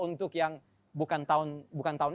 untuk yang bukan tahun